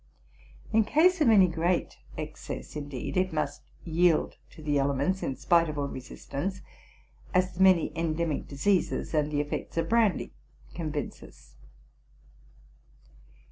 In case of any great excess, indeed, it must yield to the elements in spite of all resistance, as the many endemic diseases and the effects of brandy convince us.